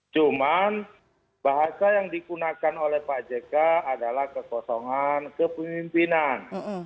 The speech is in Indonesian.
cuman bahasa yang digunakan oleh pak jk adalah kekosongan kepemimpinan